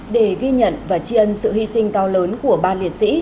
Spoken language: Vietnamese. để ghi nhận và chi ân sự hy sinh cao lớn của ba liệt sĩ